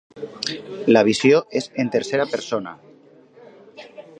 La visió és en tercera persona.